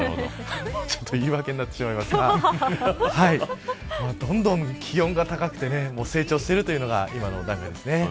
ちょっと言い訳になってしまいましたがどんどん気温が高くて成長しているのが今の段階です。